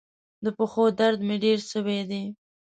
د پښو درد مي ډیر سوی دی.